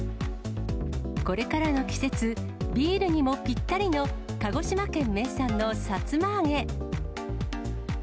これからの季節、ビールにもぴったりの鹿児島県名産のさつま揚げ。